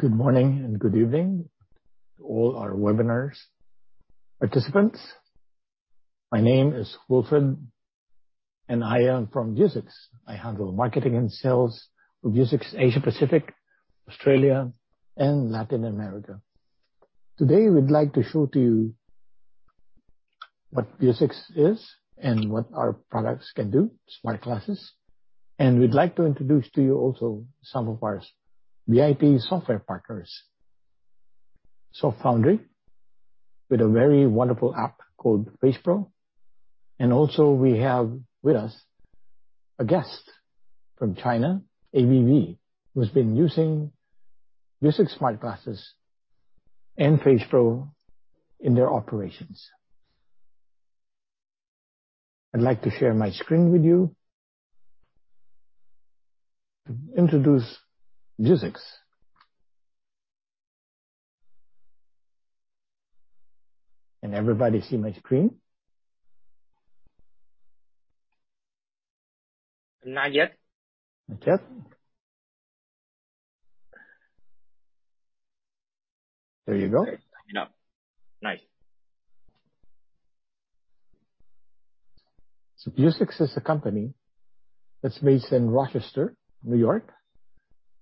Good morning and good evening to all our webinar participants. My name is Wilfred, and I am from Vuzix. I handle marketing and sales for Vuzix Asia Pacific, Australia, and Latin America. Today, we'd like to show you what Vuzix is and what our products can do, smart glasses. We'd like to introduce you also to some of our VIP software partners, SoftFoundry, with a very wonderful app called FacePro. Also we have with us a guest from China, ABB, who's been using Vuzix smart glasses and FacePro in their operations. I'd like to share my screen with you to introduce Vuzix. Can everybody see my screen? Not yet. Not yet? There you go. Coming up. Nice. Vuzix is a company that's based in Rochester, New York,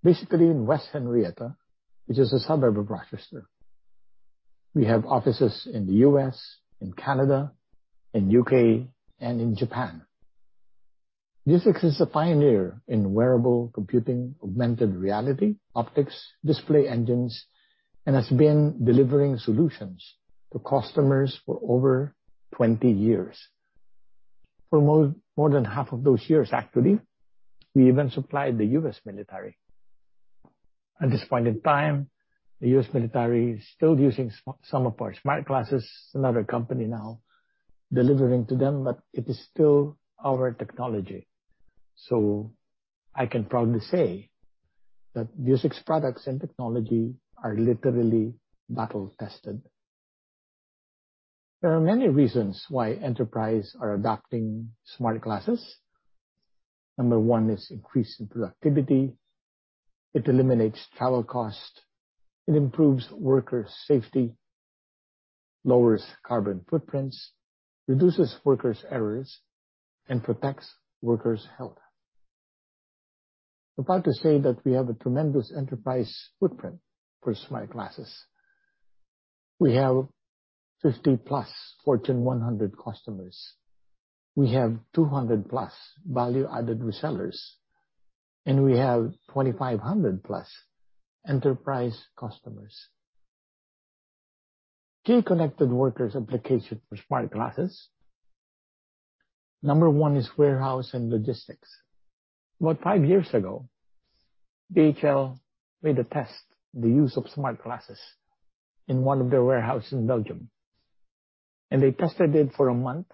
basically in West Henrietta, which is a suburb of Rochester. We have offices in the U.S., in Canada, in U.K., and in Japan. Vuzix is a pioneer in wearable computing, augmented reality, optics, display engines, and has been delivering solutions to customers for over 20 years. For more than half of those years, actually, we even supplied the U.S. military. At this point in time, the U.S. military is still using some of our smart glasses. Another company now delivering to them, but it is still our technology. I can proudly say that Vuzix products and technology are literally battle-tested. There are many reasons why enterprises are adopting smart glasses. Number one is increased productivity. It eliminates travel cost, it improves worker safety, lowers carbon footprints, reduces workers' errors, and protects workers' health. I'm proud to say that we have a tremendous enterprise footprint for smart glasses. We have 50 plus Fortune 100 customers. We have 200 plus value-added resellers, and we have 2,500 plus enterprise customers. Key connected workers applications for smart glasses. Number one is warehouse and logistics. About five years ago, DHL made a test the use of smart glasses in one of their warehouses in Belgium, and they tested it for a month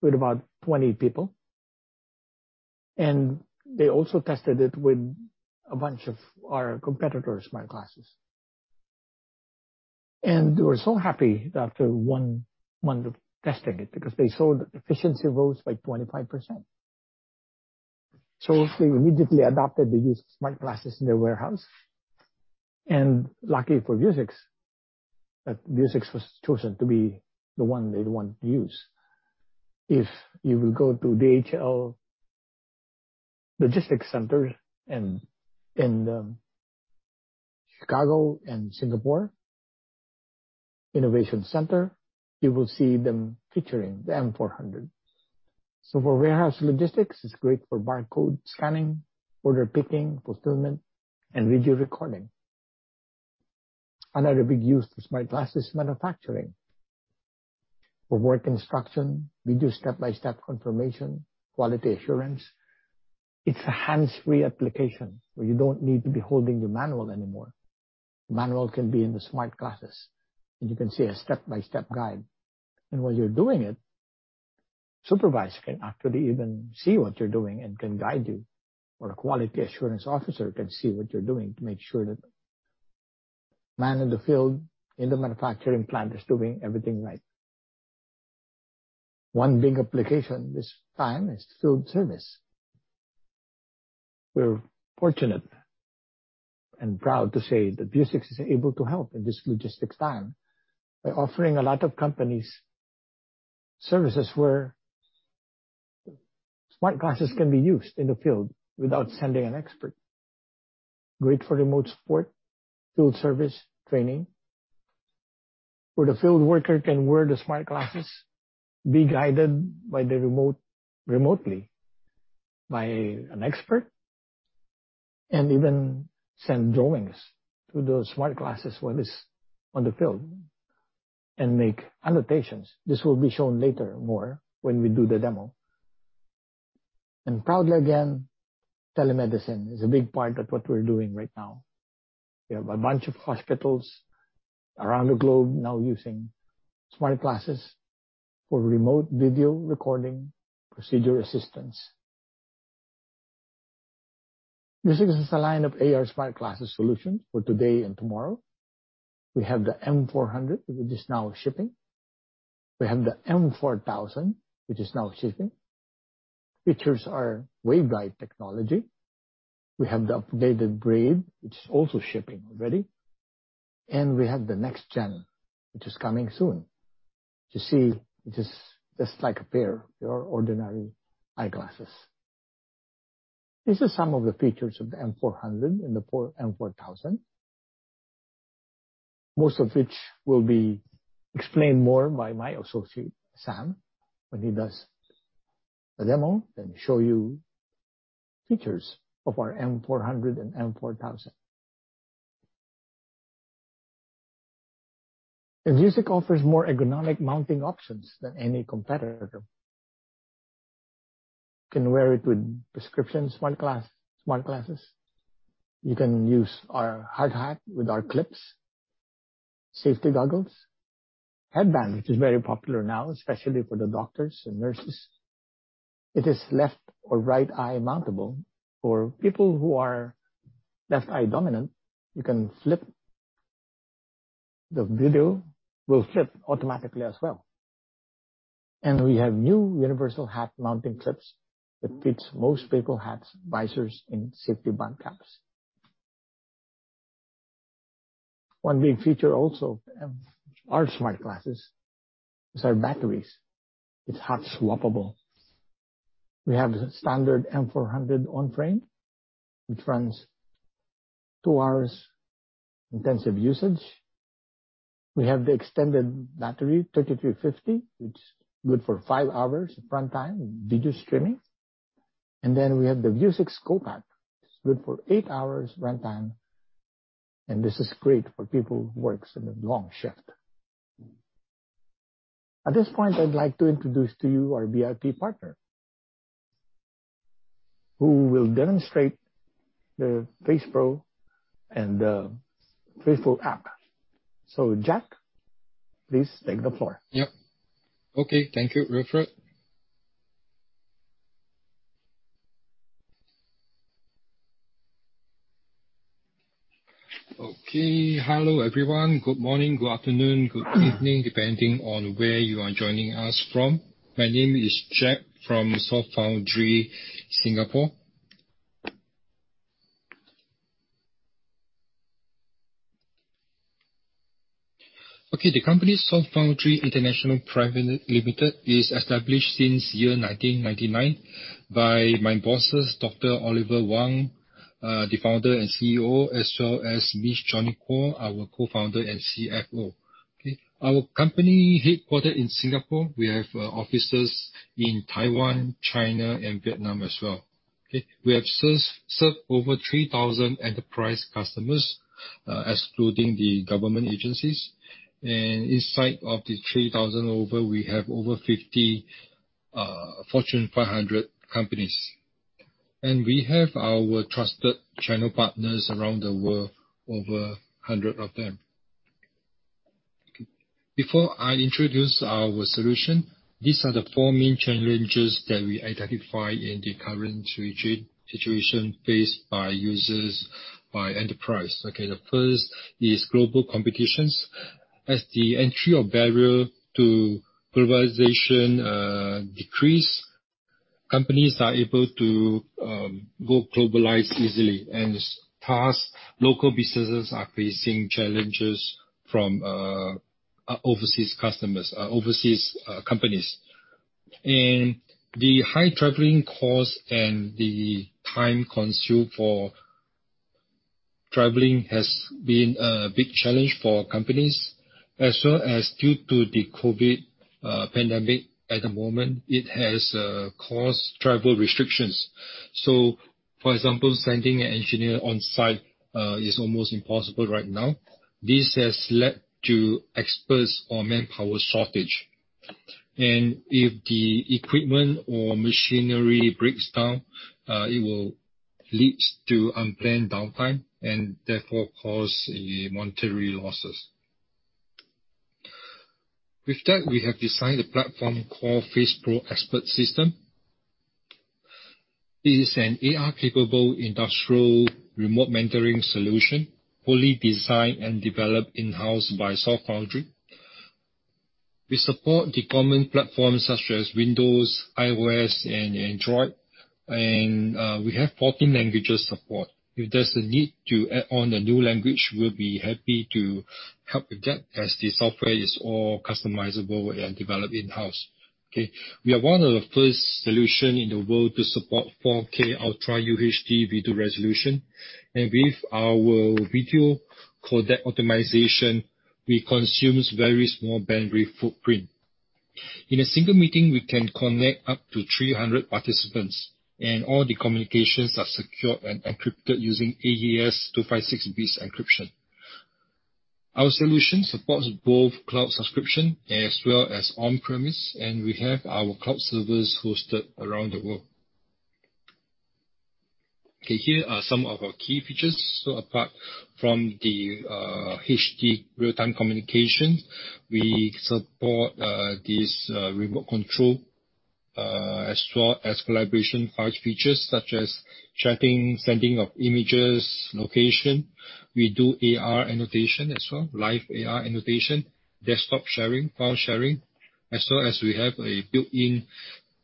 with about 20 people. They also tested it with a bunch of our competitors' smart glasses. They were so happy after one month of testing it because they saw that efficiency rose by 25%. They immediately adopted the use of smart glasses in their warehouse. Lucky for Vuzix, that Vuzix was chosen to be the one they'd want to use. If you will go to DHL logistics centers in the Chicago and Singapore Innovation Center, you will see them featuring the M400. For warehouse logistics, it's great for barcode scanning, order picking, fulfillment, and video recording. Another big use for smart glasses is manufacturing. For work instruction, we do step-by-step confirmation, quality assurance. It's a hands-free application where you don't need to be holding your manual anymore. The manual can be in the smart glasses, and you can see a step-by-step guide. While you're doing it, supervisors can actually even see what you're doing and can guide you, or a quality assurance officer can see what you're doing to make sure that the man in the field in the manufacturing plant is doing everything right. One big application this time is field service. We're fortunate and proud to say that Vuzix is able to help in this logistics time by offering a lot of companies services where smart glasses can be used in the field without sending an expert. Great for remote support, field service, training, where the field worker can wear the smart glasses, be guided remotely by an expert, and even send drawings to the smart glasses when it's on the field and make annotations. This will be shown later more when we do the demo. Proudly again, telemedicine is a big part of what we're doing right now. We have a bunch of hospitals around the globe now using smart glasses for remote video recording, procedure assistance. Vuzix has a line of AR smart glasses solutions for today and tomorrow. We have the M400, which is now shipping. We have the M4000, which is now shipping. Features are waveguide technology. We have the updated Blade, which is also shipping already, and we have the Next Gen, which is coming soon. You see, it is just like a pair of your ordinary eyeglasses. These are some of the features of the M400 and the M4000, most of which will be explained more by my associate, Sam, when he does a demo and show you features of our M400 and M4000. Vuzix offers more ergonomic mounting options than any competitor. You can wear it with prescription smart glasses. You can use our hard hat with our clips, safety goggles, headband which is very popular now, especially for the doctors and nurses. It is left or right eye mountable. For people who are left eye dominant, you can flip. The video will flip automatically as well. We have new universal hat mounting clips that fits most people hats, visors, and safety bump caps. One big feature also of our smart glasses is our batteries. It's hot swappable. We have the standard M400 on frame, which runs two hours intensive usage. We have the extended battery, 2350, which is good for five hours runtime video streaming. We have the Vuzix GoBat. It's good for eight hours runtime, and this is great for people who works in a long shift. At this point, I'd like to introduce to you our VIP partner who will demonstrate the FacePro and the FacePro app. Jack, please take the floor. Yep. Okay. Thank you, Wilfred. Okay. Hello, everyone. Good morning, good afternoon, good evening, depending on where you are joining us from. My name is Jack from SoftFoundry Singapore. Okay. The company, SoftFoundry International Pte Ltd, is established since year 1999 by my bosses, Dr. Oliver Wang, the founder and CEO, as well as Ms. Joni Kuo, our Co-founder and CFO. Okay. Our company headquartered in Singapore. We have offices in Taiwan, China, and Vietnam as well. Okay. We have served over 3,000 enterprise customers, excluding the government agencies. Inside of the 3,000, we have over 50 Fortune 500 companies. We have our trusted channel partners around the world, over 100 of them. Before I introduce our solution, these are the four main challenges that we identify in the current situation faced by users, by enterprise. Okay. The first is global competitions. As the entry of barrier to globalization decrease, companies are able to go globalize easily and thus local businesses are facing challenges from overseas customers, overseas companies. The high traveling cost and the time consumed for traveling has been a big challenge for companies as well as due to the COVID pandemic at the moment, it has caused travel restrictions. For example, sending an engineer on site is almost impossible right now. This has led to experts or manpower shortage. If the equipment or machinery breaks down, it will lead to unplanned downtime and therefore cause monetary losses. With that, we have designed a platform called FacePro Xpert System. It is an AR-capable industrial remote mentoring solution, fully designed and developed in-house by SoftFoundry. We support the common platforms such as Windows, iOS, and Android, and we have 14 languages support. If there's a need to add on a new language, we'll be happy to help with that as the software is all customizable and developed in-house. Okay. We are one of the first solution in the world to support 4K UHD video resolution. With our video codec optimization, we consume very small bandwidth footprint. In a single meeting, we can connect up to 300 participants, and all the communications are secure and encrypted using AES-256 bit encryption. Our solution supports both cloud subscription as well as on-premise, and we have our cloud servers hosted around the world. Okay. Here are some of our key features. Apart from the HD real-time communication, we support this remote control, as well as collaboration features such as chatting, sending of images, location. We do AR annotation as well, live AR annotation. Desktop sharing, file sharing, as well as we have a built-in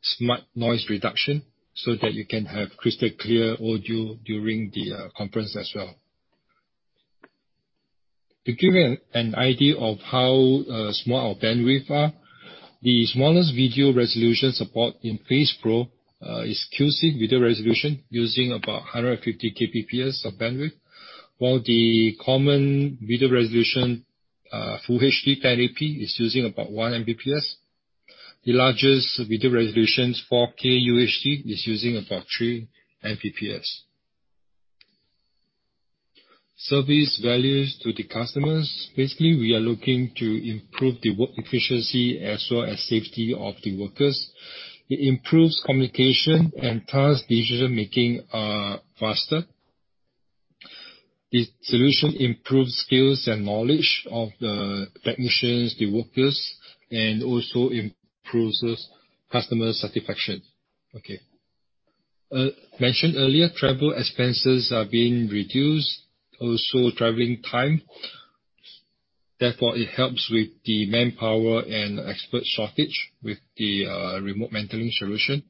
smart noise reduction so that you can have crystal clear audio during the conference as well. To give you an idea of how small our bandwidth are, the smallest video resolution support in FacePro is QC video resolution using about 150 Kbps of bandwidth, while the common video resolution, full HD 1080p, is using about 1 Mbps. The largest video resolutions, 4K UHD, is using about 3 Mbps. Service values to the customers. Basically, we are looking to improve the work efficiency as well as safety of the workers. It improves communication and task decision-making faster. The solution improves skills and knowledge of the technicians, the workers, and also improves customer satisfaction. Okay. Mentioned earlier, travel expenses are being reduced, also traveling time. Therefore, it helps with the manpower and expert shortage with the remote mentoring solution.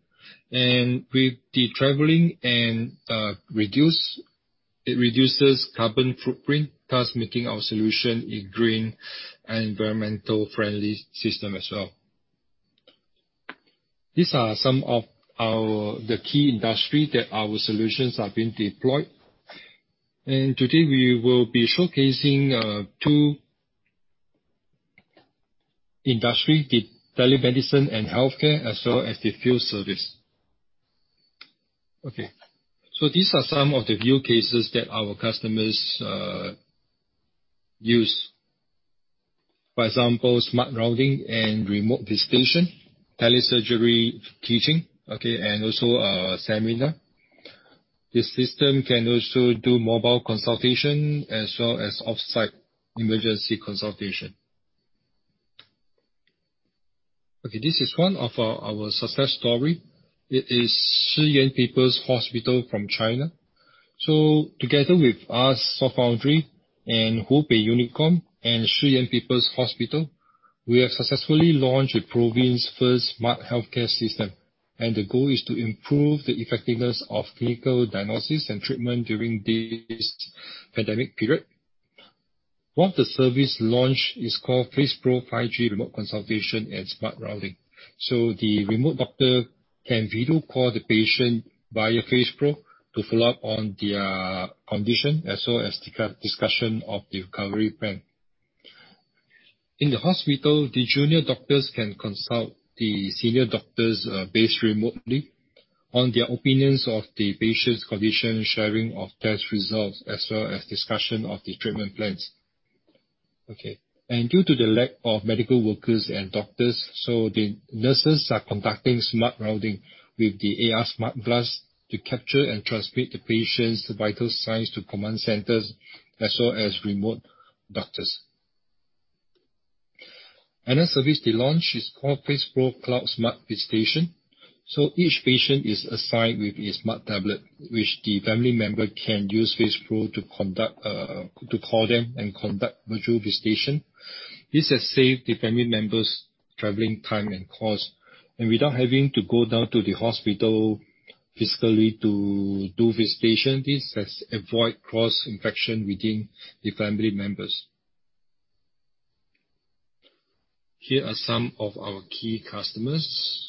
With the traveling and reduce, it reduces carbon footprint, thus making our solution a green and environmental friendly system as well. These are some of the key industry that our solutions have been deployed. Today, we will be showcasing two industry, the telemedicine and healthcare, as well as the field service. Okay. These are some of the use cases that our customers use. For example, smart rounding and remote visitation, telesurgery teaching, okay, and also a seminar. The system can also do mobile consultation as well as off-site emergency consultation. Okay, this is one of our success story. It is Shiyan People's Hospital from China. Together with us, SoftFoundry, Hubei Unicom, and Shiyan People's Hospital, we have successfully launched the province's first smart healthcare system, and the goal is to improve the effectiveness of clinical diagnosis and treatment during this pandemic period. One of the service launched is called FacePro 5G Remote Consultation & Smart Rounding. The remote doctor can video call the patient via FacePro to follow-up on their condition, as well as the discussion of the recovery plan. In the hospital, the junior doctors can consult the senior doctors, based remotely, on their opinions of the patient's condition, sharing of test results, as well as discussion of the treatment plans. Okay. Due to the lack of medical workers and doctors, so the nurses are conducting smart rounding with the AR smart glass to capture and transmit the patient's vital signs to command centers, as well as remote doctors. Another service they launched is called FacePro Cloud Smart Visitation. Each patient is assigned with a smart tablet, which the family member can use FacePro to call them and conduct virtual visitation. This has saved the family members traveling time and cost. Without having to go down to the hospital physically to do visitation, this has avoid cross-infection within the family members. Here are some of our key customers.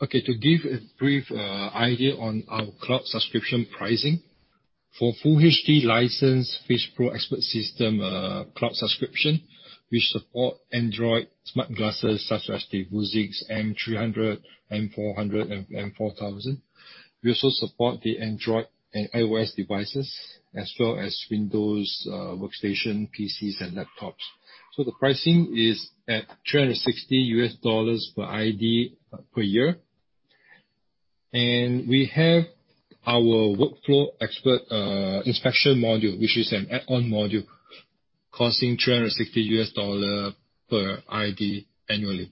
To give a brief idea on our cloud subscription pricing. For full HD licensed FacePro Xpert System cloud subscription, we support Android smart glasses such as the Vuzix M300, M400, and M4000. We also support the Android and iOS devices, as well as Windows workstation PCs and laptops. The pricing is at $360/ID per year. We have our XpertWork, which is an add-on module costing $360/ID annually.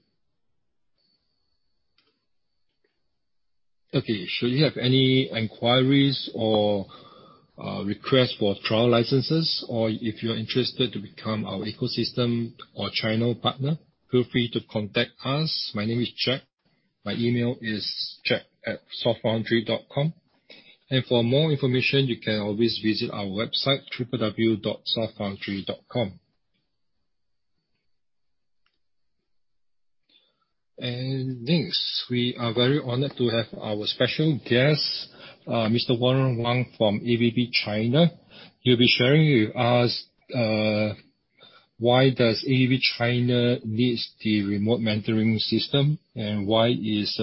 Should you have any inquiries or requests for trial licenses, or if you're interested to become our ecosystem or channel partner, feel free to contact us. My name is Jack. My email is jack@softfoundry.com. For more information, you can always visit our website, www.softfoundry.com. Next, we are very honored to have our special guest, Mr. Warren Wang from ABB China. He'll be sharing with us why does ABB China needs the remote mentoring system and why is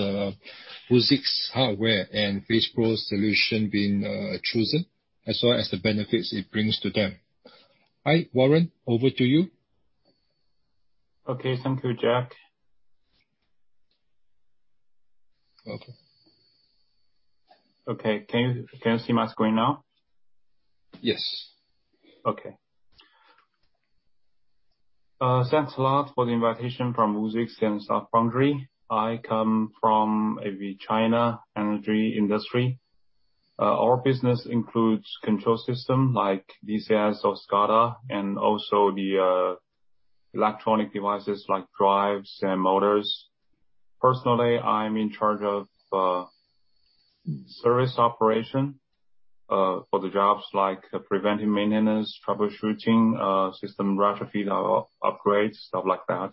Vuzix hardware and FacePro solution been chosen, as well as the benefits it brings to them. All right, Warren, over to you. Okay. Thank you, Jack. Okay. Okay, can you see my screen now? Yes. Okay. Thanks a lot for the invitation from Vuzix and SoftFoundry. I come from ABB China energy industry. Our business includes control system like DCS or SCADA, and also the electronic devices like drives and motors. Personally, I'm in charge of service operation for the jobs like preventive maintenance, troubleshooting, system retrofit or upgrades, stuff like that.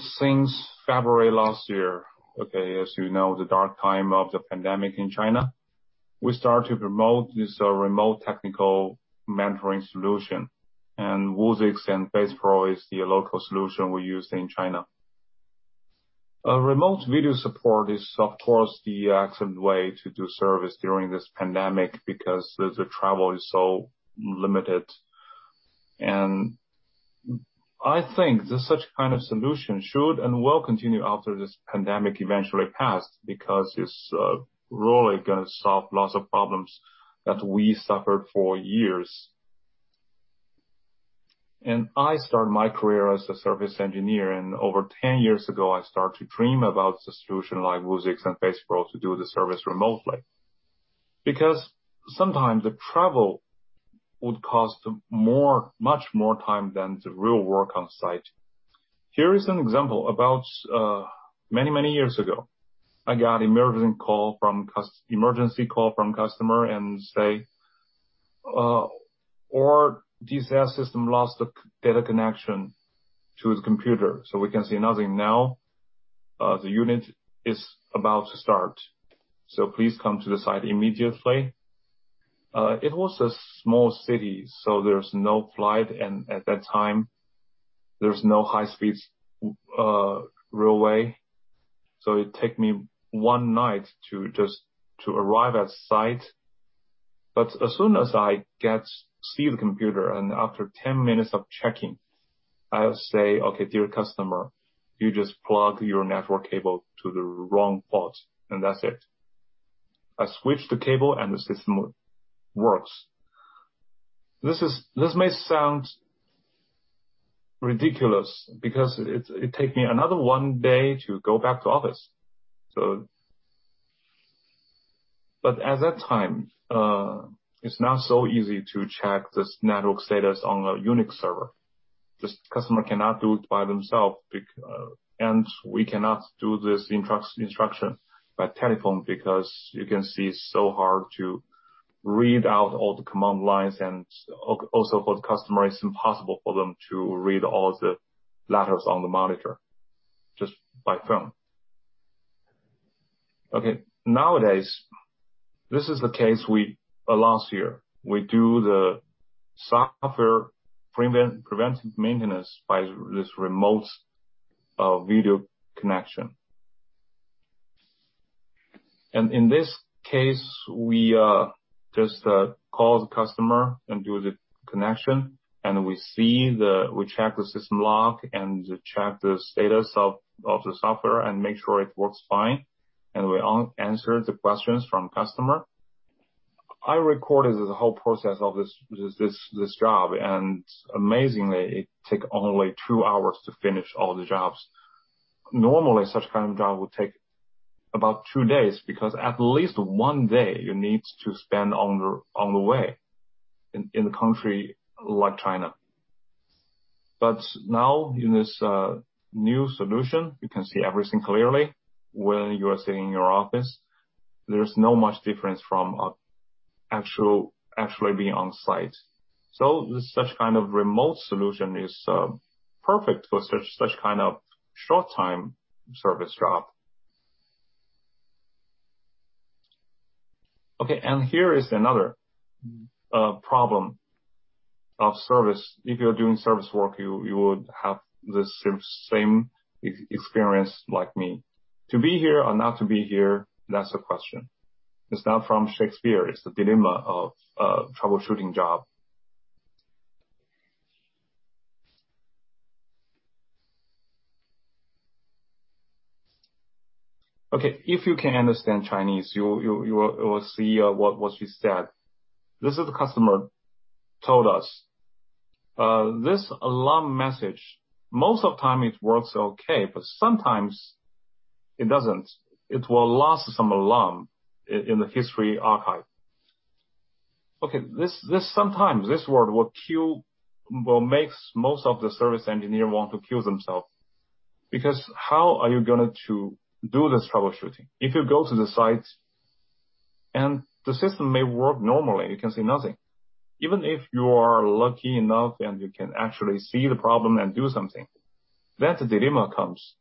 Since February last year, okay, as you know, the dark time of the pandemic in China, we start to promote this remote technical mentoring solution. Vuzix and FacePro is the local solution we use in China. A remote video support is of course the excellent way to do service during this pandemic because the travel is so limited. I think the such kind of solution should and will continue after this pandemic eventually passed because it's really gonna solve lots of problems that we suffered for years. I started my career as a service engineer, over 10 years ago, I start to dream about solution like Vuzix and FacePro to do the service remotely. Because sometimes the travel would cost much more time than the real work on site. Here is an example. About many, many years ago, I got emergency call from customer and say, "Our DCS system lost the data connection to its computer, so we can see nothing now. The unit is about to start, please come to the site immediately." It was a small city, there's no flight and at that time, there's no high-speed railway. It take me one night to arrive at site. As soon as I see the computer and after 10 minutes of checking, I say, "Okay, dear customer, you just plug your network cable to the wrong port," and that's it. I switch the cable and the system works. This may sound ridiculous because it take me another one day to go back to office. At that time, it's not so easy to check this network status on a Unix server. This customer cannot do it by themselves, we cannot do this instruction by telephone because you can see it's so hard to read out all the command lines, also for the customer, it's impossible for them to read all the letters on the monitor just by phone. Okay, nowadays, this is the case last year. We do the software preventive maintenance by this remote video connection. In this case, we just call the customer, do the connection, we check the system log, check the status of the software and make sure it works fine. We answer the questions from customer. I recorded the whole process of this job, and amazingly, it take only two hours to finish all the jobs. Normally, such kind of job would take about two days because at least one day you need to spend on the way in a country like China. Now in this new solution, you can see everything clearly when you are sitting in your office. There's no much difference from actually being on site. This such kind of remote solution is perfect for such kind of short time service job. Here is another problem of service. If you're doing service work, you would have the same experience like me. To be here or not to be here, that's the question. It's not from Shakespeare. It's the dilemma of a troubleshooting job. If you can understand Chinese, you will see what she said. This is the customer told us. This alarm message, most of the time it works okay, but sometimes it doesn't. It will last some alarm in the history archive. Okay, sometimes this word will makes most of the service engineer want to kill themselves, because how are you going to do this troubleshooting? If you go to the site and the system may work normally, you can see nothing. Even if you are lucky enough and you can actually see the problem and do something, that dilemma comes.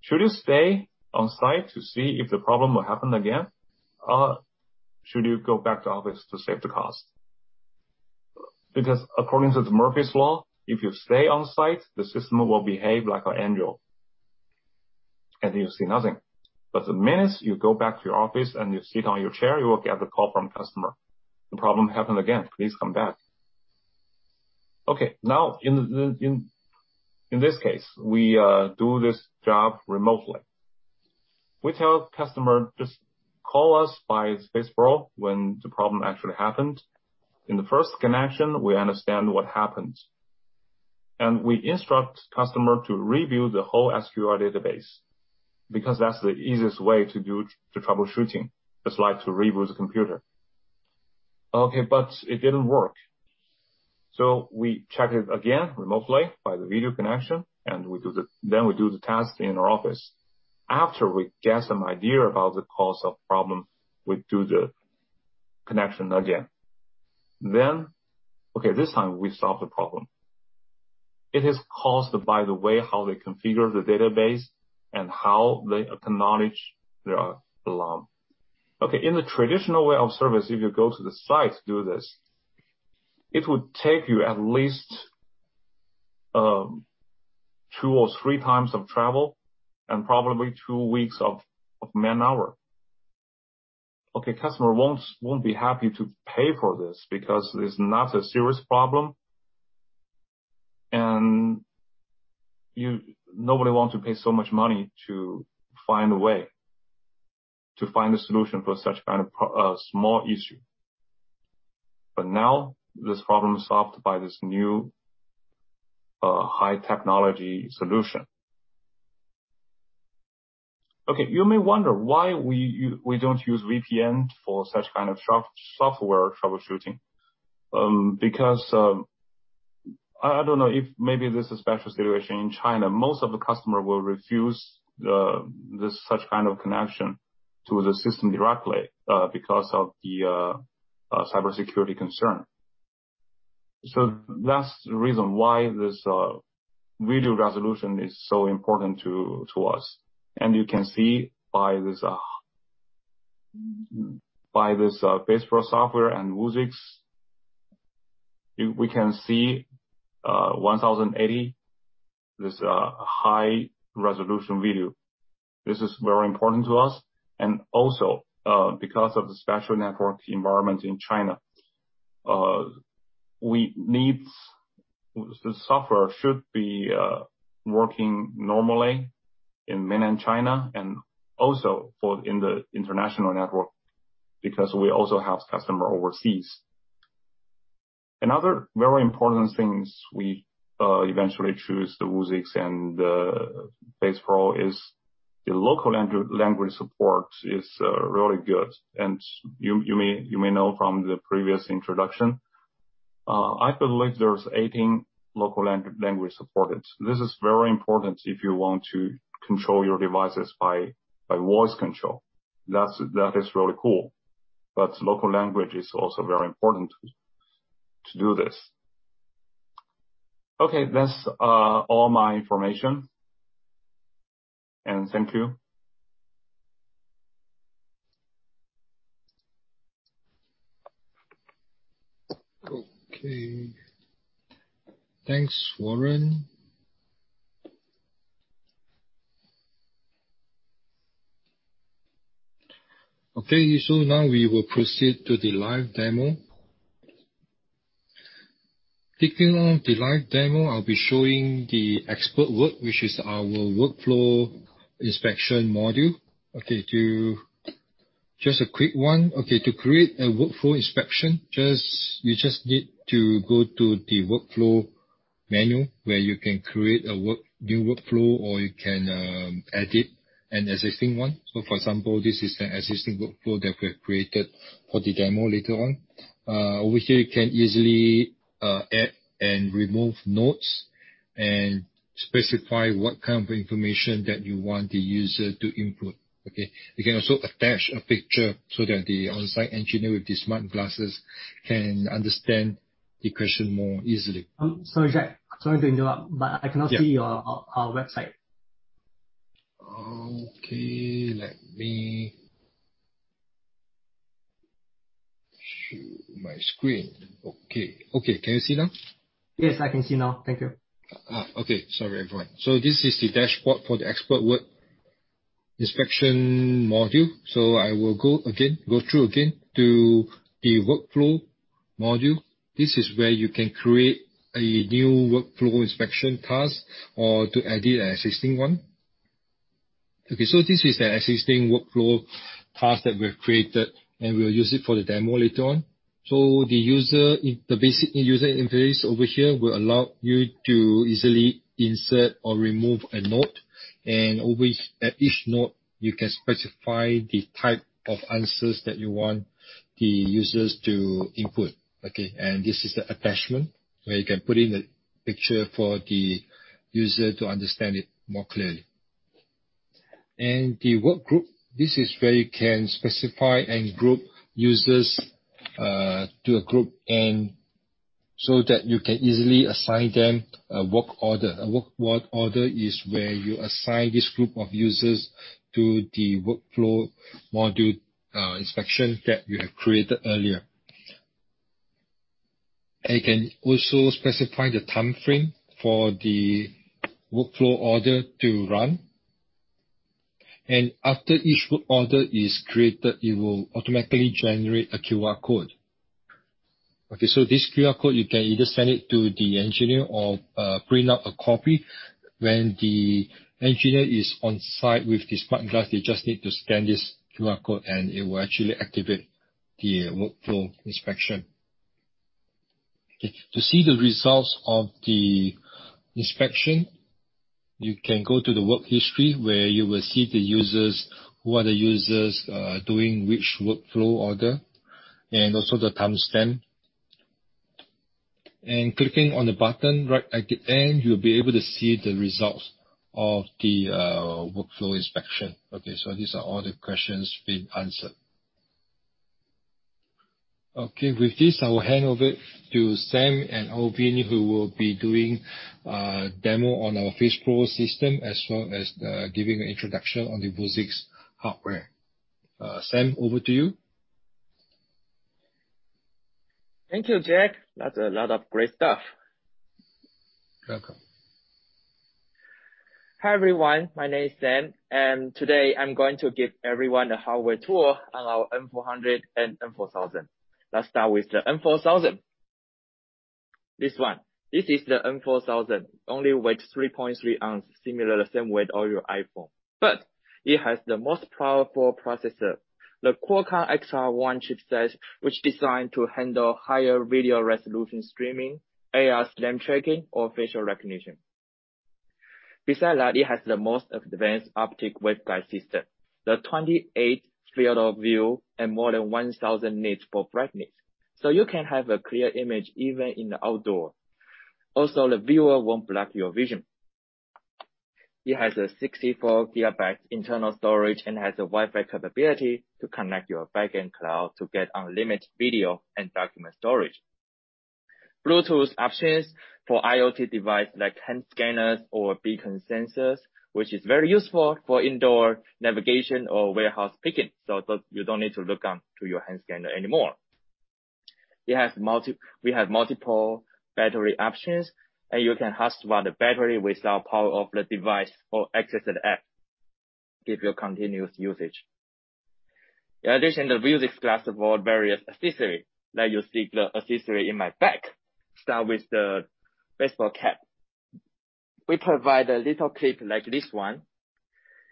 Should you stay on site to see if the problem will happen again? Or should you go back to office to save the cost? According to the Murphy's Law, if you stay on site, the system will behave like an angel and you see nothing. The minute you go back to your office and you sit on your chair, you will get the call from customer. The problem happened again. Please come back. Okay. In this case, we do this job remotely. We tell customer, just call us by FacePro when the problem actually happened. In the first connection, we understand what happened. We instruct customer to review the whole SQL database, because that's the easiest way to do the troubleshooting. It's like to reboot the computer. Okay, it didn't work. We check it again remotely by the video connection, then we do the test in our office. After we get some idea about the cause of problem, we do the connection again. Okay, this time we solve the problem. It is caused by the way how they configure the database and how they acknowledge the alarm. Okay, in the traditional way of service, if you go to the site to do this, it would take you at least two or three times of travel and probably two weeks of man-hour. Okay, customer won't be happy to pay for this because it's not a serious problem, and nobody want to pay so much money to find a way, to find a solution for such kind of small issue. Now this problem is solved by this new, high-technology solution. Okay, you may wonder why we don't use VPN for such kind of software troubleshooting. I don't know if maybe this is a special situation in China. Most of the customer will refuse this such kind of connection to the system directly, because of the cybersecurity concern. That's the reason why this video resolution is so important to us. You can see by this FacePro software and Vuzix, we can see 1080p, this high resolution video. This is very important to us. Also, because of the special network environment in China, the software should be working normally in mainland China and also for in the international network, because we also have customer overseas. Another very important things we eventually choose the Vuzix and the FacePro is the local language support is really good. You may know from the previous introduction, I believe there's 18 local language supported. This is very important if you want to control your devices by voice control. That is really cool. Local language is also very important to do this. Okay, that's all my information. Thank you. Okay. Thanks, Warren. Now we will proceed to the live demo. Kicking off the live demo, I'll be showing the XpertWork, which is our workflow inspection module. Just a quick one. To create a workflow inspection, you just need to go to the workflow menu where you can create a new workflow or you can edit an existing one. For example, this is the existing workflow that we have created for the demo later on. Over here, you can easily add and remove notes and specify what kind of information that you want the user to input. Okay? You can also attach a picture so that the on-site engineer with the smart glasses can understand the question more easily. Sorry, Jack. Sorry to interrupt, I cannot see your website. Okay. Let me share my screen. Okay. Okay, can you see now? Yes, I can see now. Thank you. Okay. Sorry, everyone. This is the dashboard for the XpertWork inspection module. I will go through again to the workflow module. This is where you can create a new workflow inspection task or to edit an existing one. Okay, this is the existing workflow task that we've created, and we'll use it for the demo later on. The basic user interface over here will allow you to easily insert or remove a note. At each note, you can specify the type of answers that you want the users to input. Okay. This is the attachment where you can put in a picture for the user to understand it more clearly. The work group, this is where you can specify and group users to a group, and so that you can easily assign them a work order. A work order is where you assign this group of users to the workflow module inspection that you have created earlier. You can also specify the time frame for the workflow order to run. After each work order is created, it will automatically generate a QR code. This QR code, you can either send it to the engineer or print out a copy. When the engineer is on-site with the smart glasses, they just need to scan this QR code and it will actually activate the workflow inspection. To see the results of the inspection, you can go to the work history where you will see who are the users doing which workflow order, and also the timestamp. Clicking on the button right at the end, you'll be able to see the results of the workflow inspection. These are all the questions been answered. Okay. With this, I will hand over to Sam and Alvin, who will be doing a demo on our FacePro system, as well as giving introduction on the Vuzix hardware. Sam, over to you. Thank you, Jack. That's a lot of great stuff. Welcome. Hi, everyone. My name is Sam, and today I'm going to give everyone a hardware tour on our M400 and M4000. Let's start with the M4000. This one. This is the M4000. Only weighs 3.3 oz, similar the same weight as your iPhone. It has the most powerful processor, the Qualcomm XR1 chipset, which is designed to handle higher video resolution streaming, AR SLAM tracking, or facial recognition. Besides that, it has the most advanced optic waveguide system. The 28 field of view and more than 1,000 nits for brightness. You can have a clear image even in the outdoor. Also, the viewer won't block your vision. It has a 64 GB internal storage and has a Wi-Fi capability to connect your back-end cloud to get unlimited video and document storage. Bluetooth options for IoT device like hand scanners or beacon sensors, which is very useful for indoor navigation or warehouse picking. You don't need to look onto your hand scanner anymore. We have multiple battery options, and you can hot swap the battery without power off the device or exit the app. Give you continuous usage. In addition, the Vuzix glass of all various accessory, like you see the accessory in my back. Start with the baseball cap. We provide a little clip like this one.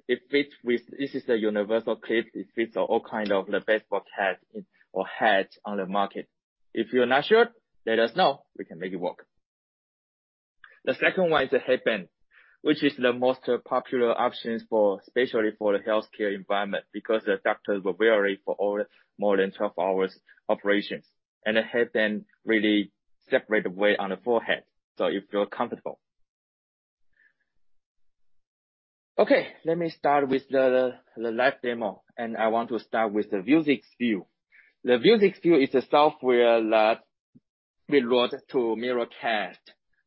This is a universal clip. It fits all kind of the baseball caps or hats on the market. If you're not sure, let us know. We can make it work. The second one is a headband, which is the most popular option especially for the healthcare environment, because the doctors will wear it for more than 12 hours operations. A headband really separate the weight on the forehead, so you feel comfortable. Okay, let me start with the live demo. I want to start with the Vuzix View. The Vuzix View is a software that we wrote to mirror cast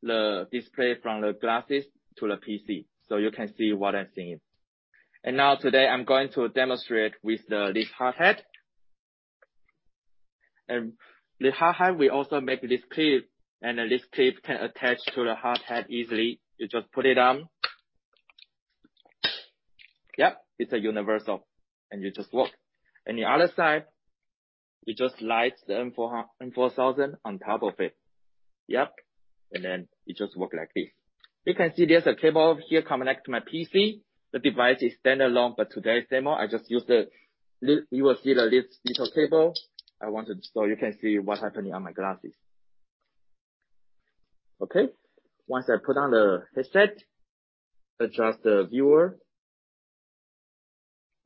the display from the glasses to the PC, so you can see what I'm seeing. Now today, I'm going to demonstrate with this hard hat. The hard hat, we also make this clip. This clip can attach to the hard hat easily. You just put it on. Yep, it's universal. You just walk. The other side, you just slide the M4000 on top of it. Yep. You just walk like this. You can see there's a cable here connect to my PC. The device is standalone, today's demo, you will see this little cable so you can see what's happening on my glasses. Okay. Once I put on the headset, adjust the viewer.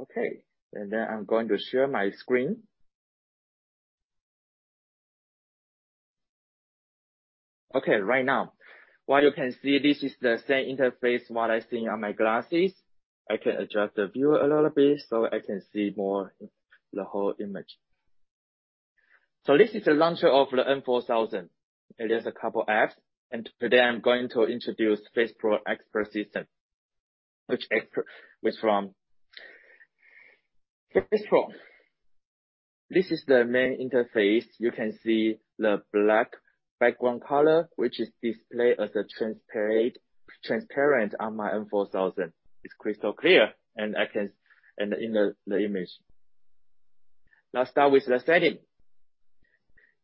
Okay. I'm going to share my screen. Right now, what you can see, this is the same interface what I see on my glasses. I can adjust the view a little bit so I can see more the whole image. This is the launcher of the M4000. It is a couple apps, and today I'm going to introduce FacePro Xpert System, which Xpert is from FacePro. This is the main interface. You can see the black background color, which is displayed as transparent on my M4000. It's crystal clear in the image. Let's start with the setting.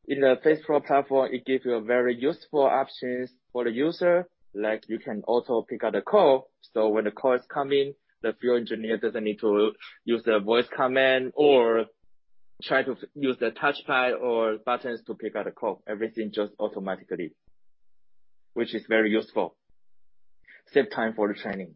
In the FacePro platform, it gives you very useful options for the user, like you can auto pick up the call. When the call is coming, the field engineer doesn't need to use the voice command or try to use the touch pad or buttons to pick up the call. Everything just automatically, which is very useful. Save time for the training.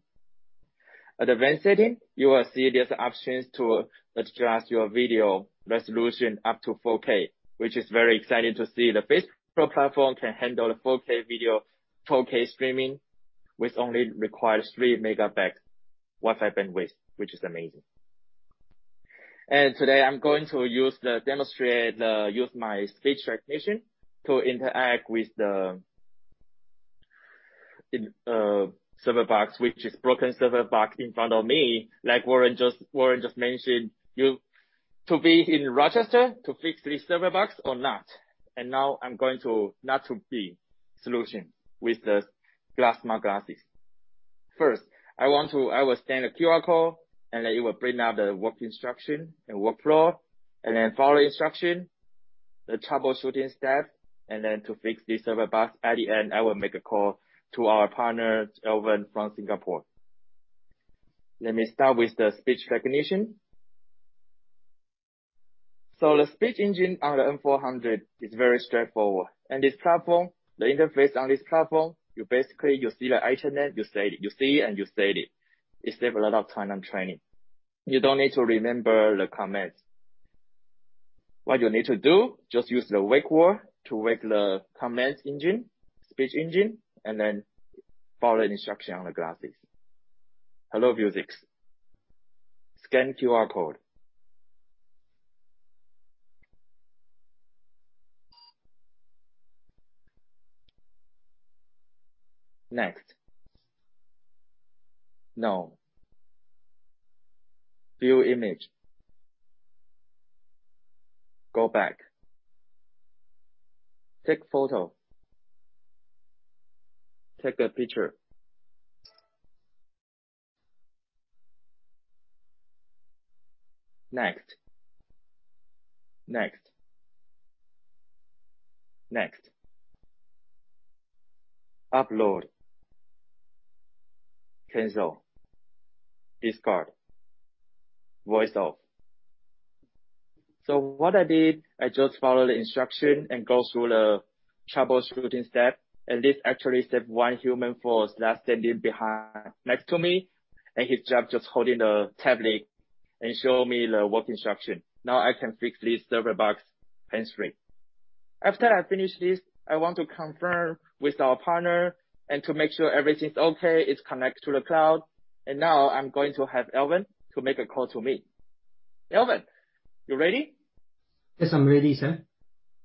Advanced setting, you will see there's options to adjust your video resolution up to 4K, which is very exciting to see the FacePro platform can handle a 4K video, 4K streaming, which only requires 3 MB Wi-Fi bandwidth, which is amazing. Today, I'm going to demonstrate, use my speech recognition to interact with the server box, which is broken server box in front of me, like Warren just mentioned. To be in Rochester to fix this server box or not? Now I'm going to not to be solution with the smart glasses. First, I will scan the QR code. Then it will bring up the work instruction and workflow. Then follow the instruction, the troubleshooting step, to fix the server box. At the end, I will make a call to our partner, Alvin, from Singapore. Let me start with the speech recognition. The speech engine on the M400 is very straightforward. This platform, the interface on this platform, you basically see the interface, you see it and you say it. It save a lot of time on training. You don't need to remember the commands. What you need to do, just use the wake word to wake the speech engine, follow the instruction on the glasses. Hello, Vuzix. Scan QR code. Next. No. View image. Go back. Take photo. Take a picture. Next. Next. Next. Upload. Cancel. Discard. Voice off. What I did, I just followed the instruction and go through the troubleshooting step, and this actually saved one human force that's standing next to me, and his job just holding a tablet and show me the work instruction. Now I can fix this server box hands-free. After I finish this, I want to confirm with our partner and to make sure everything's okay, it's connected to the cloud. Now I'm going to have Alvin to make a call to me. Alvin, you ready? Yes, I'm ready, Sam.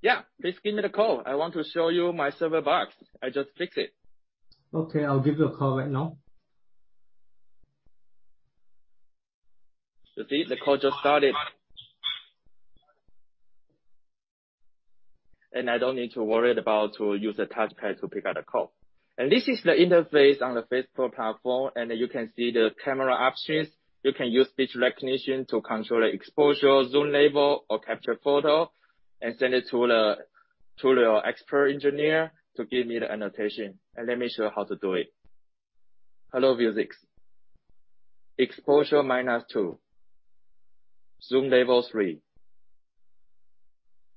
Yeah. Please give me the call. I want to show you my server box. I just fixed it. Okay. I'll give you a call right now. You see? The call just started. I don't need to worry about to use a touchpad to pick up the call. This is the interface on the FacePro platform, and you can see the camera options. You can use speech recognition to control the exposure, zoom level, or capture photo, and send it to your expert engineer to give me the annotation. Let me show you how to do it. Hello, Vuzix. Exposure minus two. Zoom level three.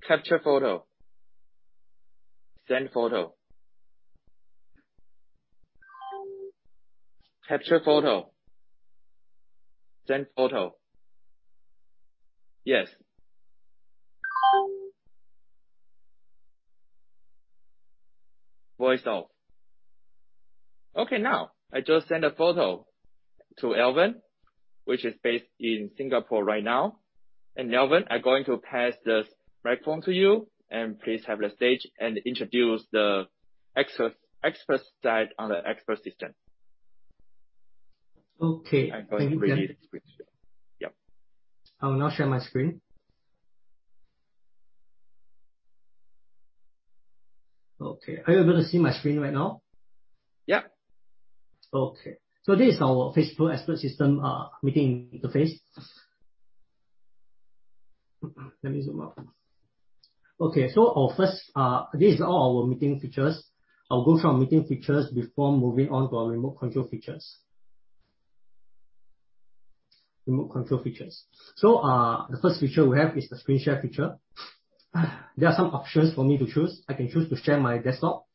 Capture photo. Send photo. Capture photo. Send photo. Yes. Voice off. Okay. Now, I just sent a photo to Alvin, which is based in Singapore right now. Alvin, I'm going to pass this microphone to you, and please have the stage and introduce the expert side on the expert system. Okay. I'm going to give you the screen share. Yep. I will now share my screen. Okay. Are you able to see my screen right now? Yep. Okay. This is our FacePro Xpert System meeting interface. Let me zoom out. Okay. First, these are all our meeting features. I'll go through our meeting features before moving on to our remote control features. Remote control features. The first feature we have is the screen share feature. There are some options for me to choose. I can choose to share my desktop,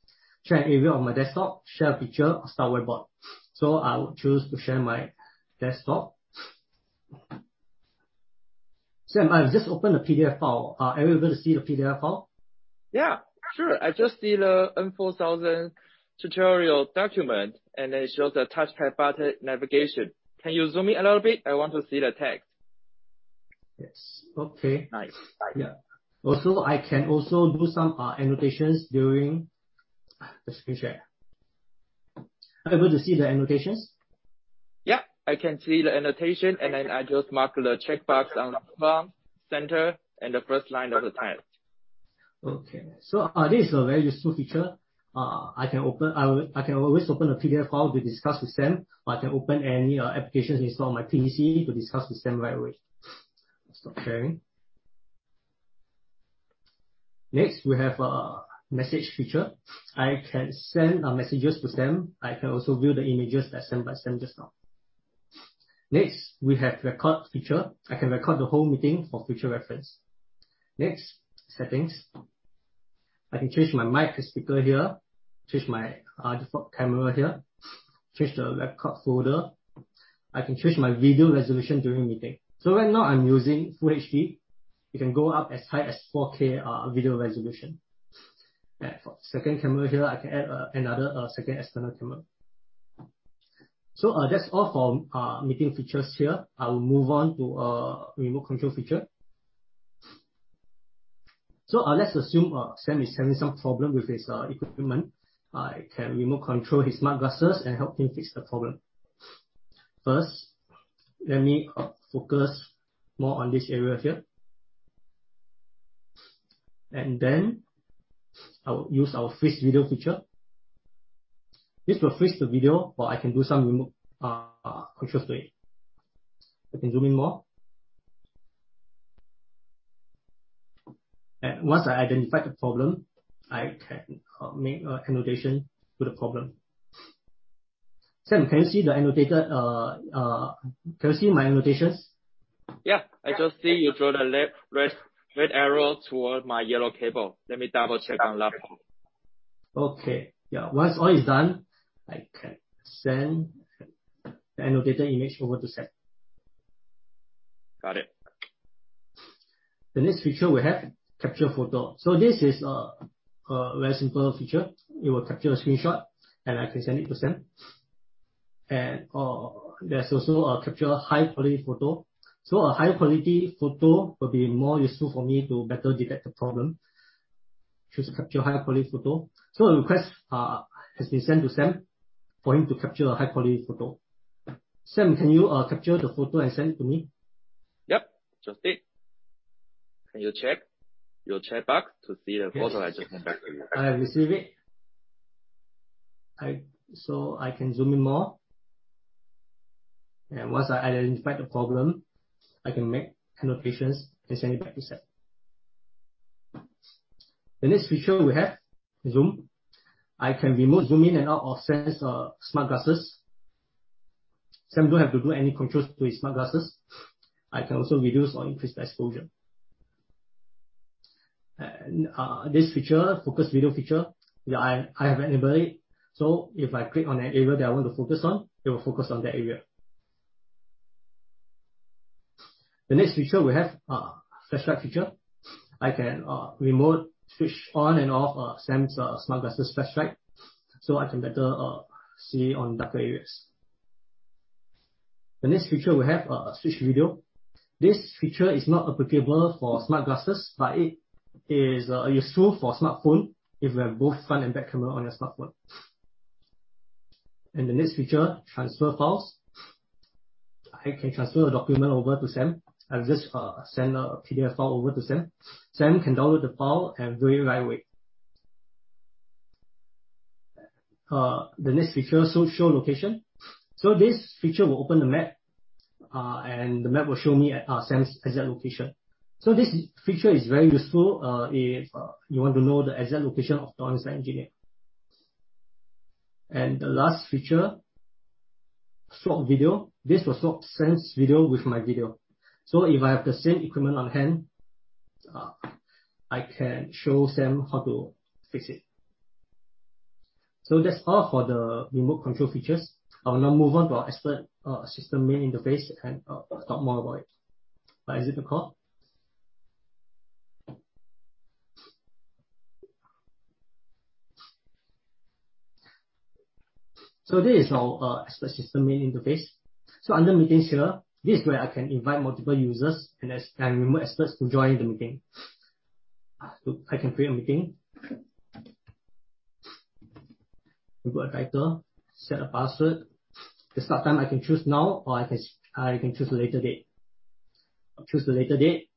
share an area of my desktop, share a picture, or start whiteboard. I will choose to share my desktop. Sam, I've just opened a PDF file. Are you able to see the PDF file? Yeah, sure. I just see the M4000 tutorial document, and it shows the touchpad button navigation. Can you zoom in a little bit? I want to see the text. Yes. Okay. Nice. Yeah. Also, I can also do some annotations during the screen share. Are you able to see the annotations? Yeah, I can see the annotation, and then I just mark the checkbox on the top, center, and the first line of the text. Okay. This is a very useful feature. I can always open a PDF file to discuss with Sam, or I can open any applications installed on my PC to discuss with Sam right away. Stop sharing. Next, we have a message feature. I can send messages to Sam. I can also view the images that's sent by Sam just now. Next, we have record feature. I can record the whole meeting for future reference. Next, settings. I can change my mic and speaker here, change my default camera here, change the record folder. I can change my video resolution during meeting. Right now I'm using full HD. It can go up as high as 4K video resolution. For second camera here, I can add another second external camera. That's all for meeting features here. I will move on to remote control feature. Let's assume Sam is having some problem with his equipment. I can remote control his smart glasses and help him fix the problem. First, let me focus more on this area here. I will use our freeze video feature. This will freeze the video while I can do some remote control to it. I can zoom in more. Once I identify the problem, I can make an annotation to the problem. Sam, can you see my annotations? Yeah. I just see you draw the red arrow toward my yellow cable. Let me double-check on the laptop. Okay. Yeah. Once all is done, I can send the annotated image over to Sam. Got it. The next feature we have, capture photo. This is a very simple feature. It will capture a screenshot, and I can send it to Sam. There's also a capture high-quality photo. A high-quality photo will be more useful for me to better detect the problem. Choose capture high-quality photo. A request has been sent to Sam for him to capture a high-quality photo. Sam, can you capture the photo and send it to me? Yep, just did. Can you check your chatbox to see the photo I just sent back to you? I have received it. I can zoom in more. Once I identify the problem, I can make annotations and send it back to Sam. The next feature we have, zoom. I can remote zoom in and out of Sam's smart glasses. Sam don't have to do any controls to his smart glasses. I can also reduce or increase the exposure. This feature, focus video feature, I have enabled it, so if I click on an area that I want to focus on, it will focus on that area. The next feature we have, flashlight feature. I can remote switch on and off Sam's smart glasses flashlight, I can better see on darker areas. The next feature we have, switch video. This feature is not applicable for smart glasses, it is useful for smartphone if you have both front and back camera on your smartphone. The next feature, transfer files. I can transfer document over to Sam. I'll just send a PDF file over to Sam. Sam can download the file and view it right away. The next feature, show location. This feature will open the map, and the map will show me Sam's exact location. This feature is very useful, if you want to know the exact location of the on-site engineer. The last feature, swap video. This will swap Sam's video with my video. If I have the same equipment on hand, I can show Sam how to fix it. That's all for the remote control features. I will now move on to our Expert Assistant main interface and talk more about it. By exit the call. This is our Expert Assistant main interface. Under Meetings here, this is where I can invite multiple users and remote experts to join the meeting. I can create a meeting. Input a title, set a password. The start time, I can choose now, or I can choose a later date. I'll choose the later date.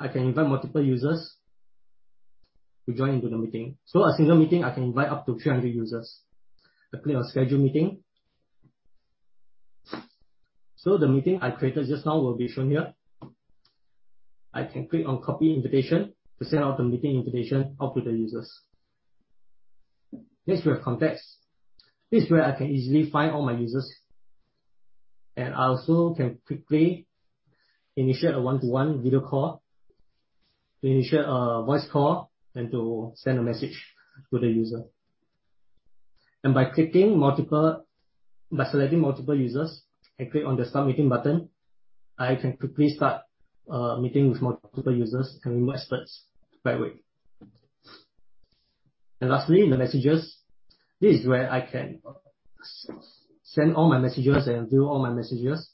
I can invite multiple users to join into the meeting. A single meeting, I can invite up to 300 users. I click on Schedule Meeting. The meeting I created just now will be shown here. I can click on Copy Invitation to send out the meeting invitation out to the users. Next, we have Contacts. This is where I can easily find all my users. I also can quickly initiate a one-to-one video call, initiate a voice call, and to send a message to the user. By selecting multiple users and click on the Start Meeting button, I can quickly start a meeting with multiple users and remote experts right away. Lastly, the Messages. This is where I can send all my messages and view all my messages.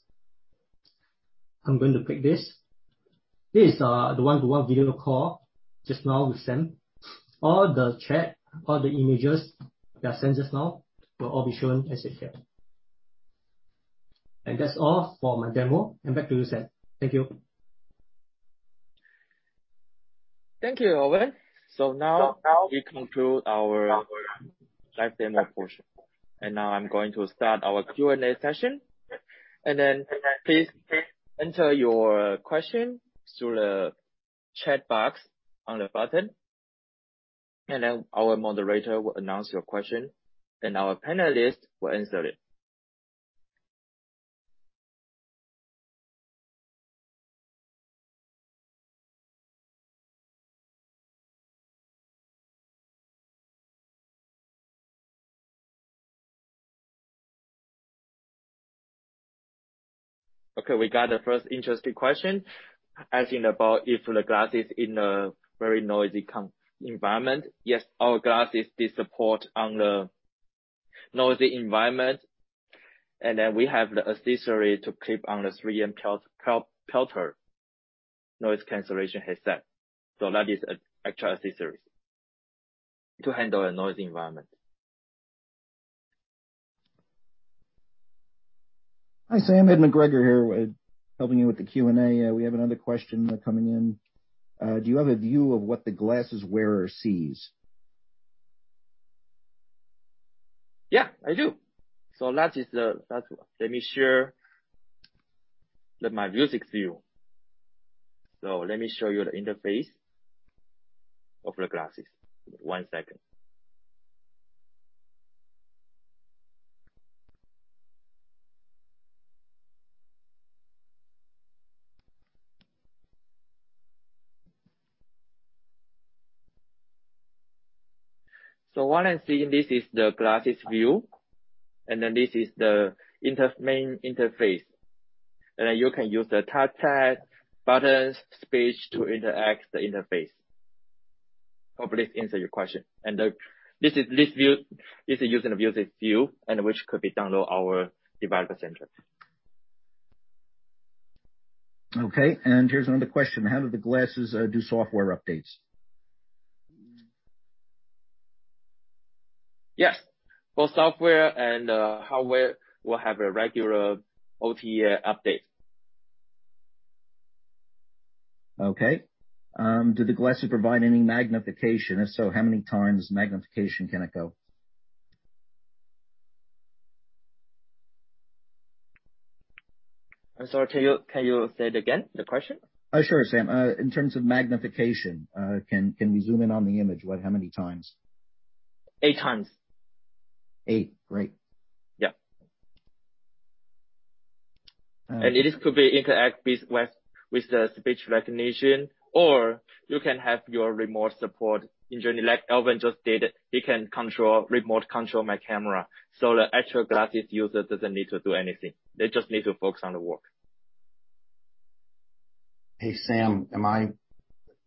I'm going to click this. This is the one-to-one video call just now with Sam. All the chat, all the images that are sent just now will all be shown as it is here. That's all for my demo. Back to you, Sam. Thank you. Thank you, Alvin. Now we conclude our live demo portion, and now I'm going to start our Q&A session. Please enter your question through the chat box on the bottom, and then our moderator will announce your question, and our panelist will answer it. We got the first interesting question asking about if the glasses in a very noisy environment. Yes, our glasses did support on the noisy environment, and then we have the accessory to clip on the 3M Peltor noise cancellation headset. That is extra accessories to handle a noisy environment. Hi, Sam. Ed McGregor here helping you with the Q&A. We have another question coming in. Do you have a view of what the glasses wearer sees? Yeah, I do. Let me share my Vuzix View. Let me show you the interface of the glasses. One second. What I see, this is the glasses view, this is the main interface. You can use the touch pad buttons, speech to interact the interface. Hopefully this answers your question. This view is using a Vuzix View which could be downloaded on our developer center. Okay. Here's another question: How do the glasses do software updates? Yes, both software and hardware will have a regular OTA update. Do the glasses provide any magnification? If so, how many times magnification can it go? I'm sorry, can you say it again, the question? Oh, sure, Sam. In terms of magnification, can we zoom in on the image? How many times? Eight times. Eight. Great. Yeah. All right. It could interact with the speech recognition, or you can have your remote support engineer, like Alvin just did. He can remote control my camera. The actual glasses user doesn't need to do anything. They just need to focus on the work. Hey, Sam, am I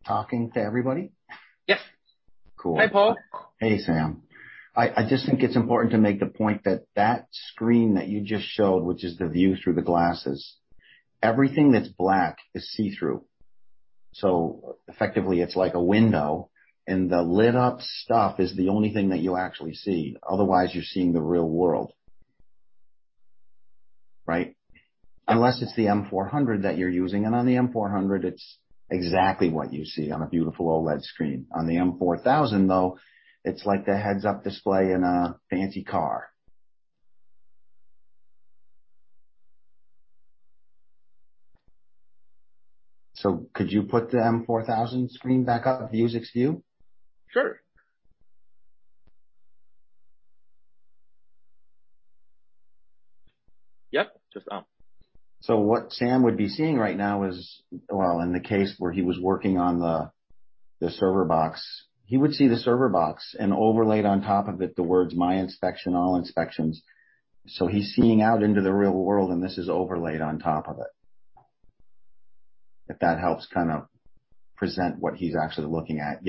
talking to everybody? Yes. Cool. Hi, Paul. Hey, Sam. I just think it's important to make the point that screen that you just showed, which is the view through the glasses, everything that's black is see-through. Effectively, it's like a window, and the lit-up stuff is the only thing that you actually see. Otherwise, you're seeing the real world. Right? Unless it's the M400 that you're using. On the M400, it's exactly what you see on a beautiful OLED screen. On the M4000, though, it's like the heads-up display in a fancy car. Could you put the M4000 screen back up, the Vuzix View? Sure. Yep. Just up. What Sam would be seeing right now is in the case where he was working on the server box, he would see the server box and overlaid on top of it the words "My Inspection, All Inspections." He's seeing out into the real world, and this is overlaid on top of it. If that helps present what he's actually looking at.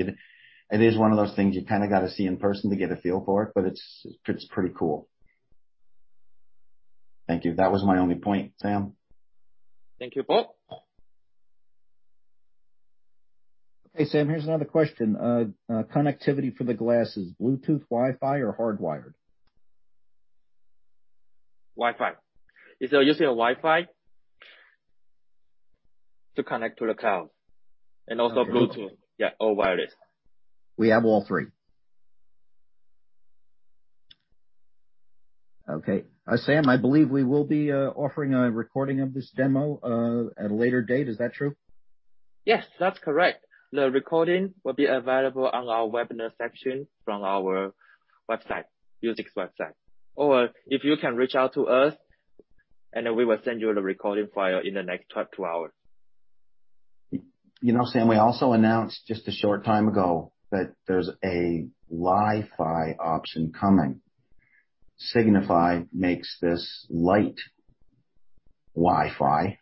It is one of those things you kind of got to see in person to get a feel for it, but it's pretty cool. Thank you. That was my only point, Sam. Thank you, Paul. Okay, Sam, here's another question. Connectivity for the glasses, Bluetooth, Wi-Fi, or hardwired? Wi-Fi. It is using a Wi-Fi to connect to the cloud, and also Bluetooth. Yeah, all wireless. We have all three. Okay. Sam, I believe we will be offering a recording of this demo at a later date. Is that true? Yes, that's correct. The recording will be available on our webinar section from our website, Vuzix website. If you can reach out to us, and we will send you the recording file in the next 24 hours. Sam, we also announced just a short time ago that there's a Li-Fi option coming. Signify makes this light Wi-Fi.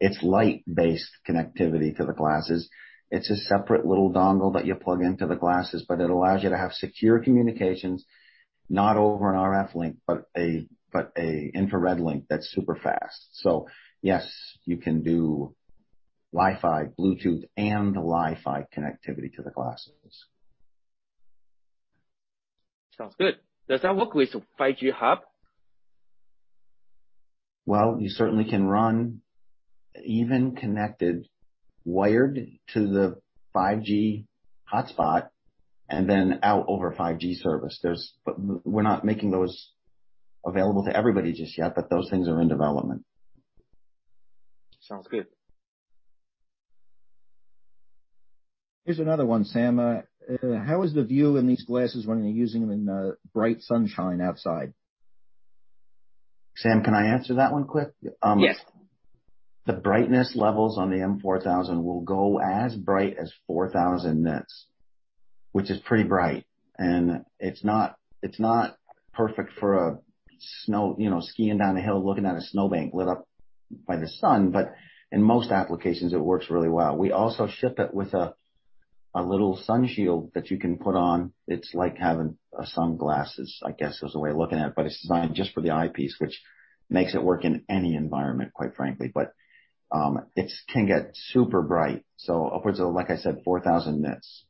It's light-based connectivity to the glasses. It's a separate little dongle that you plug into the glasses, but it allows you to have secure communications, not over an RF link, but a infrared link that's super fast. Yes, you can do Wi-Fi, Bluetooth, and Li-Fi connectivity to the glasses. Sounds good. Does that work with 5G hub? Well, you certainly can run, even connected wired to the 5G hotspot and then out over 5G service. We're not making those available to everybody just yet, but those things are in development. Sounds good. Here's another one, Sam. How is the view in these glasses when you're using them in bright sunshine outside? Sam, can I answer that one quick? Yes. The brightness levels on the M4000 will go as bright as 4,000 nits, which is pretty bright. It's not perfect for skiing down a hill, looking at a snowbank lit up by the sun, but in most applications, it works really well. We also ship it with a little sun shield that you can put on. It's like having sunglasses, I guess, is a way of looking at it, but it's designed just for the eyepiece, which makes it work in any environment, quite frankly. It can get super bright. Upwards of, like I said, 4,000 nits.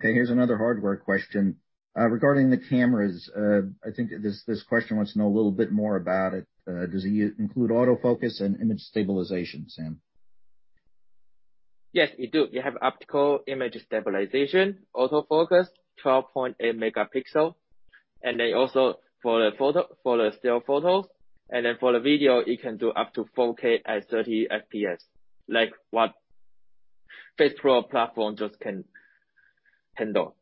Here's another hardware question. Regarding the cameras, I think this question wants to know a little bit more about it. Does it include autofocus and image stabilization, Sam? Yes, it do. You have optical image stabilization, autofocus, 12.8 megapixel, and then also for the still photos, and then for the video, it can do up to 4K at 30 FPS. Like what FacePro platform just can handle.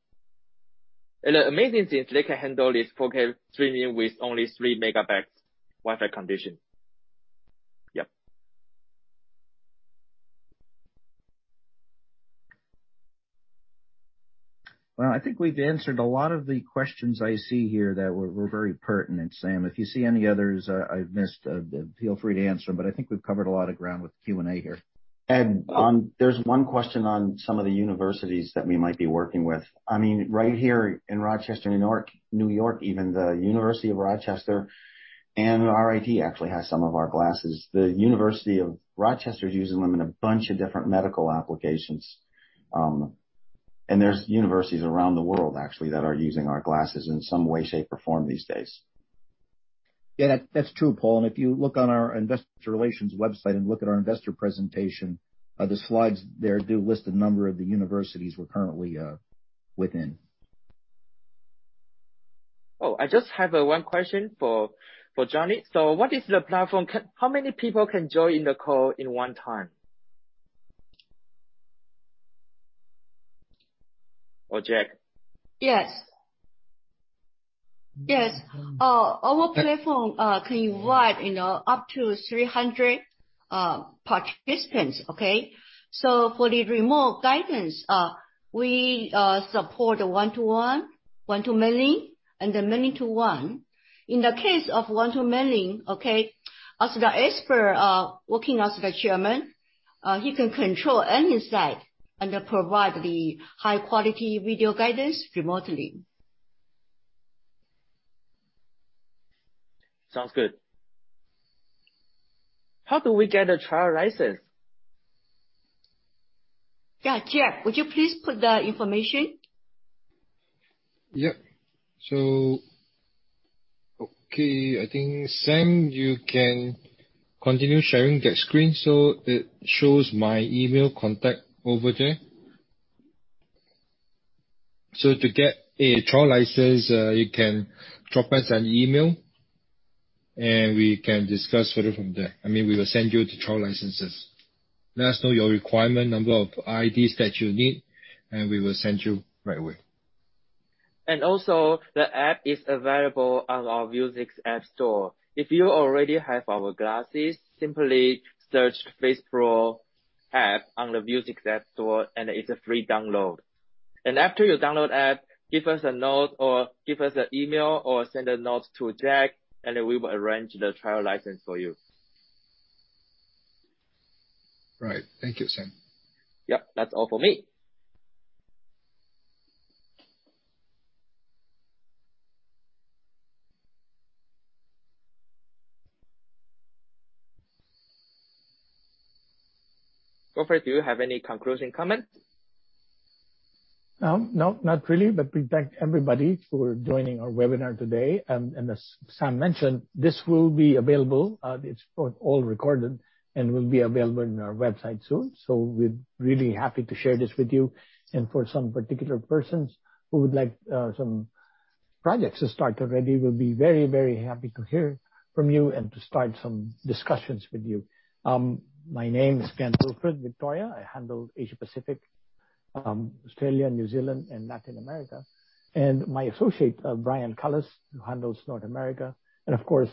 The amazing thing, they can handle this 4K streaming with only 3 MB Wi-Fi condition. Yep. I think we've answered a lot of the questions I see here that were very pertinent, Sam. If you see any others I've missed, feel free to answer them, but I think we've covered a lot of ground with the Q&A here. Ed, there's one question on some of the universities that we might be working with. Right here in Rochester, N.Y., even the University of Rochester and RIT actually has some of our glasses. The University of Rochester is using them in a bunch of different medical applications. There's universities around the world, actually, that are using our glasses in some way, shape, or form these days. Yeah, that's true, Paul. If you look on our investor relations website and look at our investor presentation, the slides there do list a number of the universities we're currently within. I just have one question for Joni. What is the platform, how many people can join the call in one time? Or Jack? Yes. Our platform can invite up to 300 participants, okay? For the remote guidance, we support a one-to-one, one to many, and then many to one. In the case of one to many, okay, as the expert, working as the chairman, he can control any site and provide the high-quality video guidance remotely. Sounds good. How do we get a trial license? Yeah, Jack, would you please put that information? Yep. Okay, I think, Sam, you can continue sharing that screen so it shows my email contact over there. To get a trial license, you can drop us an email, and we can discuss further from there. We will send you the trial licenses. Let us know your requirement, number of IDs that you need, and we will send you right away. Also, the app is available on our Vuzix App Store. If you already have our glasses, simply search FacePro app on the Vuzix App Store, and it's a free download. After you download app, give us a note or give us an email or send a note to Jack, and we will arrange the trial license for you. Right. Thank you, Sam. Yep. That's all for me. Wilfred, do you have any conclusion comment? No, not really. We thank everybody for joining our webinar today. As Sam mentioned, this will be available, it's all recorded and will be available on our website soon. We're really happy to share this with you. For some particular persons who would like some projects to start already, we'll be very, very happy to hear from you and to start some discussions with you. My name is Ken Wilfred Victoria. I handle Asia-Pacific, Australia, New Zealand, and Latin America. My associate, Brian Cullis, who handles North America, and of course,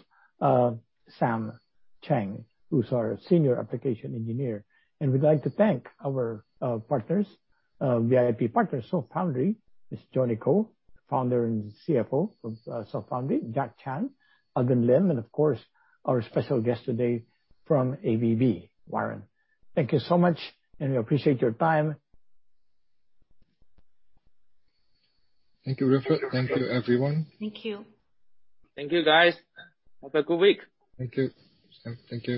Sam Cheng, who's our senior application engineer. We'd like to thank our VIP partners, SoftFoundry. Ms. Joni Kuo, founder and CFO of SoftFoundry, Jack Chan, Alvin Lim, and of course, our special guest today from ABB, Warren. Thank you so much, and we appreciate your time. Thank you, Wilfred. Thank you, everyone. Thank you. Thank you, guys. Have a good week. Thank you. Sam, thank you.